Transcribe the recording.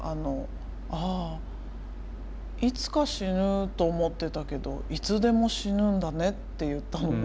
「ああいつか死ぬと思ってたけどいつでも死ぬんだね」って言ったのね。